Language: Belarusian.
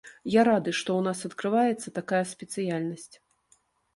Я рады, што ў нас адкрываецца такая спецыяльнасць.